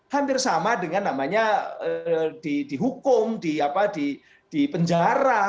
hampir sama dengan namanya dihukum dipencari